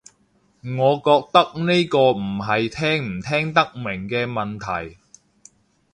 我覺得呢個唔係聽唔聽得明嘅問題